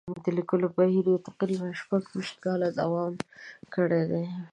د لیکلو بهیر یې تقریباً شپږ ویشت کاله دوام کړی دی.